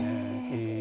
へえ。